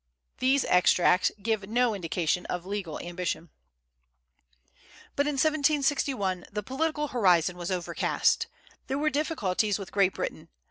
These extracts give no indication of legal ambition. But in 1761 the political horizon was overcast. There were difficulties with Great Britain.